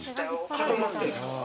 固まってんですか？